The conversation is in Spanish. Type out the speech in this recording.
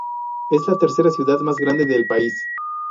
Es la tercera ciudad más grande del país.